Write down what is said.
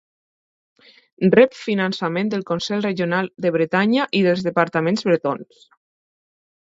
Rep finançament del Consell Regional de Bretanya i dels departaments bretons.